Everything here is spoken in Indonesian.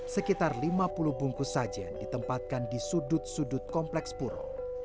sekitar lima puluh bungkus sajen ditempatkan di sudut sudut kompleks puro